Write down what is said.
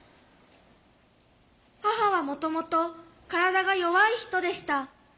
母はもともと体が弱い人でした。